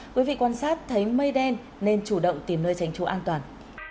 quý vị quan sát thấy mây đen nên chủ động tìm nơi tránh trú an toàn